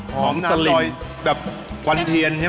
หอมนับดอยแบบวันเทียนใช่ไหม